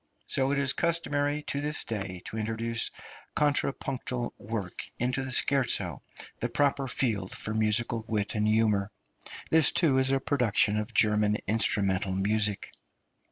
So it is customary to this day to introduce contrapuntal work into the scherzo, the proper field for musical wit and humour. This, too, is a production of German instrumental music.